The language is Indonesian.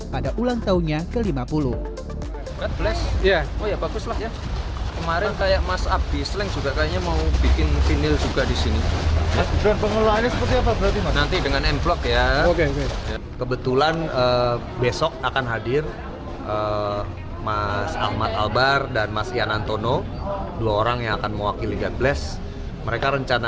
pada ulang tahunnya ke lima puluh